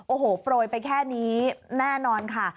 โอ้โหโปรยไปแค่นี้แน่นอนค่ะ